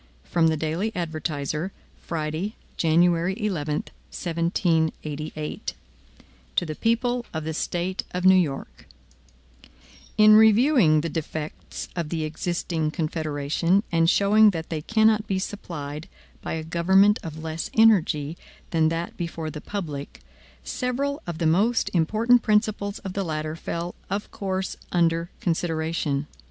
From the Daily Advertiser. Friday, January 11, 1788. MADISON To the People of the State of New York: IN REVIEWING the defects of the existing Confederation, and showing that they cannot be supplied by a government of less energy than that before the public, several of the most important principles of the latter fell of course under consideration.